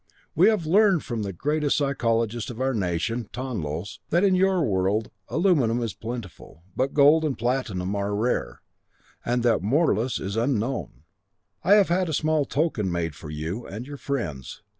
We have learned from the greatest psychologist of our nation, Tonlos, that in your world aluminum is plentiful, but gold and platinum are rare, and that morlus is unknown. I have had a small token made for you, and your friends.